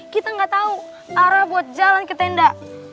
kita nggak tahu arah buat jalan ke tenda